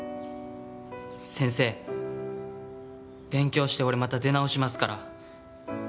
先生勉強して俺また出直しますから。